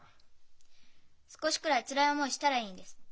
少しくらいつらい思いしたらいいんです。